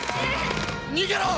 逃げろ！